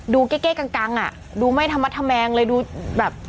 ดูเก้กกังกังฮะดูไม่ทัมเมธมังเลยดูแบบ